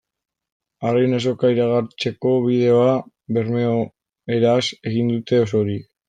Arrain Azoka iragartzeko bideoa bermeoeraz egin dute osorik.